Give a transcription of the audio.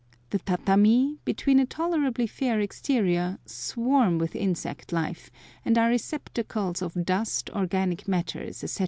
The tatami, beneath a tolerably fair exterior, swarm with insect life, and are receptacles of dust, organic matters, etc.